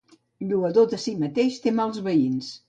Lloador de si mateix té mals veïns.